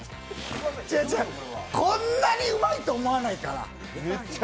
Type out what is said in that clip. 違う違う、こんなにうまいと思わないから。